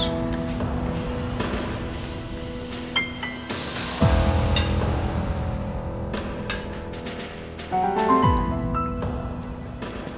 tunggu sebentar ya